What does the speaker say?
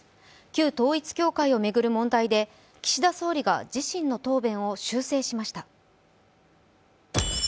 旧統一教会を巡る問題で、岸田総理が自身の答弁を修正しました。